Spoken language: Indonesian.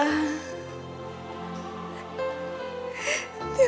kayak apa itu